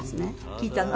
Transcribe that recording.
聴いたの？